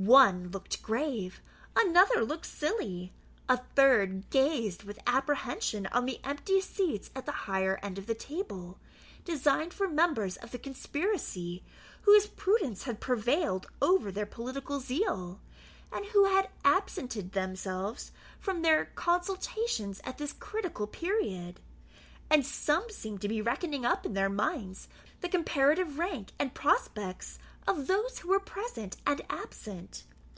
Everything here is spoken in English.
One looked grave; another looked silly; a third gazed with apprehension on the empty seats at the higher end of the table, designed for members of the conspiracy whose prudence had prevailed over their political zeal, and who had absented themselves from their consultations at this critical period; and some seemed to be reckoning up in their minds the comparative rank and prospects of those who were present and absent.